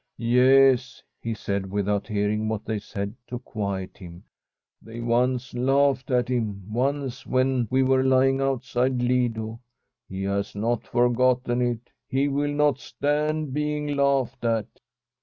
Yes,' he said, without hearing what they said to quiet him, * they once laughed at him, once when we were lying outside Lido. He has not forgotten it ; he will not stand being laughed at.'